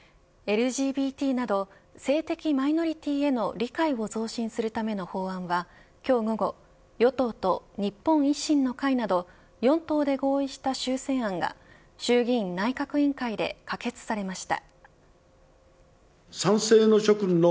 ＬＧＢＴなど性的マイノリティへの理解を増進するための法案は今日午後、与党と日本維新の会など４党で合意した修正案が衆議院内閣委員会で可決されました。